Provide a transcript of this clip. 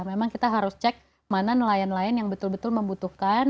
memang kita harus cek mana nelayan nelayan yang betul betul membutuhkan